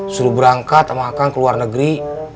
suruh berangkat sama akan ke luar negeri